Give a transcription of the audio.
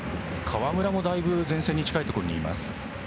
川村もだいぶ前線に近いところにいます。